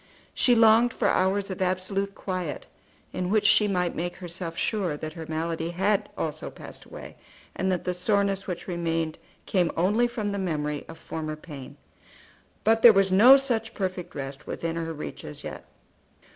She longed for hours of absolute quiet, in which she might make herself sure that her malady had also passed away, and that the soreness which remained came only from the memory of former pain. But there was no such perfect rest within her reach as yet.